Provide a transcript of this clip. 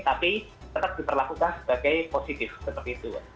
tapi tetap diperlakukan sebagai positif seperti itu